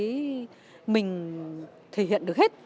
thì mình thể hiện được hết